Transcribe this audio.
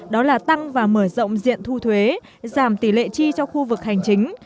đó là tăng và mở rộng diện thu thuế giảm tỷ lệ chi cho khu vực hành chính